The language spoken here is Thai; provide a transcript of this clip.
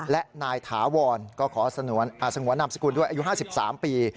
และนายถาวรก็ขอสงวนนามสกุลด้วยอายุ๕๓ปี